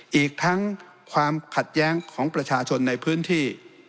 อีกทั้งความขัดแย้งของประชาชนในพื้นที่